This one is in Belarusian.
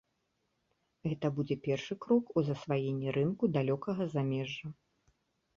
Гэта будзе першы крок у засваенні рынку далёкага замежжа.